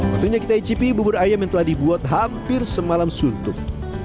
tentunya kita icipi bubur ayam yang telah dibuat hampir semalam suntuk